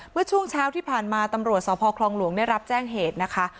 เมื่อช่วงเช้าที่ผ่านมาตำรวจสพคลองหลวงได้รับแจ้งเหตุนะคะ